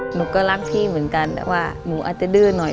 หนูก็รักพี่เหมือนกันแต่ว่าหนูอาจจะดื้อหน่อย